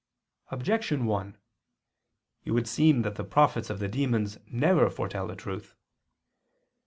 Objection 1: It would seem that the prophets of the demons never foretell the truth.